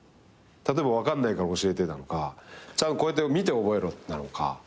例えば分かんないから教えてなのかちゃんとこうやって見て覚えろなのか。